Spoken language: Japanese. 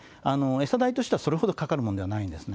餌代としてはそれほどかかるものではないんですね。